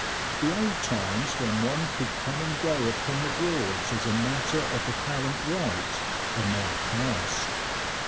The old times when one could come and go upon the Broads as a matter of apparent right are now past.